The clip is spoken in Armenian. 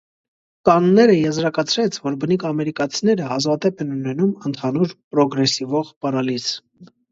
Կանները եզրակացրեց, որ բնիկ ամերիկացիները հազվադեպ են ունենում ընդհանուր պրոգրեսիվող պարալիզ։